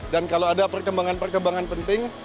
dan kalau ada perkembangan perkembangan penting